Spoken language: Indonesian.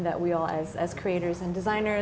kita sebagai kreator dan desainer